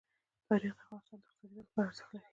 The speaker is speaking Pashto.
تاریخ د افغانستان د اقتصادي ودې لپاره ارزښت لري.